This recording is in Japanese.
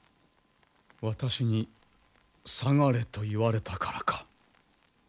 私に下がれと言われたからか？